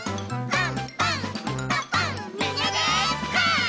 パン！